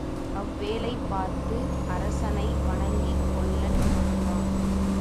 அவ்வேளை பார்த்து அரசனை வணங்கிக் கொல்லன் தொடர்ந்தான்.